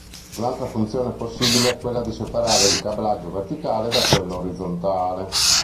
Un'altra funzione possibile è quella di separare il cablaggio verticale da quello orizzontale.